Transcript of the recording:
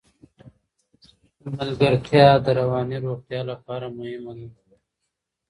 ملګرتیا د رواني روغتیا لپاره مهمه ده.